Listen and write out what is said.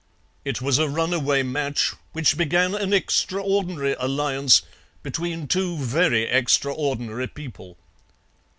It was a runaway match, which began an extraordinary alliance between two very extraordinary people.